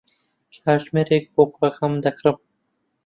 کاتژمێرێک بۆ کوڕەکەم دەکڕم.